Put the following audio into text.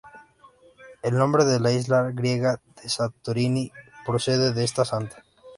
El nombre de la isla griega de Santorini procede de esta santa.